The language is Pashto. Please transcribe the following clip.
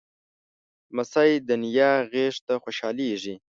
لمسی د نیا غېږ ته خوشحالېږي.